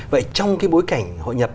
vậy trong cái bối cảnh hội nhập